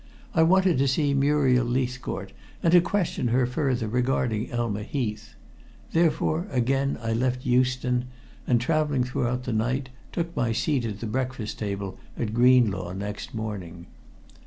I wanted to see Muriel Leithcourt, and to question her further regarding Elma Heath. Therefore again I left Euston, and, traveling through the night, took my seat at the breakfast table at Greenlaw next morning.